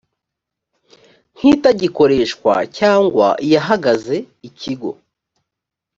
nk itagikoreshwa cyangwa iyahagaze ikigo